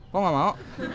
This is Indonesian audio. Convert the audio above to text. kok gak mau